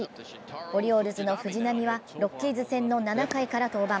オリオールズの藤浪はロッキーズ戦の７回から登板。